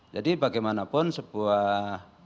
jadi bagaimanapun sebuah